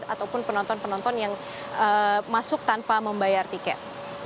ataupun penonton penonton yang masuk tanpa membayar tiket